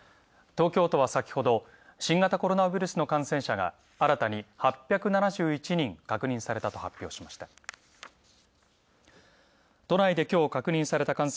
東京都は先ほど、新型コロナウイルスの感染者が新たに８７１人確認されたと発表しました。